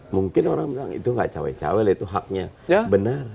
mungkin orang itu enggak cowok cowok itu haknya ya benar